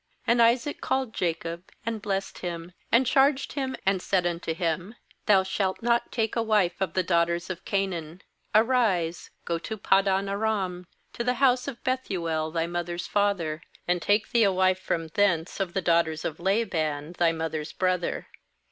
OQ And Isaac called Jacob, aiid blessed him, and charged him, and said unto him: "Thou shalt not take a wife of the daughters of Ca naan. 2Arise, go to Paddan aram, to the house of Bethuel thy mother's father; and take thee a wife from thence of the daughters of Laban thy mother's brother.